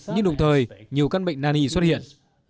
nhưng đồng thời nhiều căn bệnh nani xuất hiện